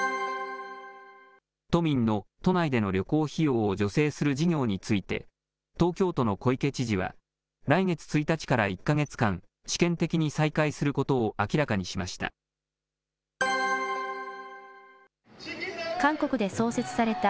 都民の都内での旅行費用を助成する事業について、東京都の小池知事は、来月１日から１か月間、試験的に再開することを明らかにしました。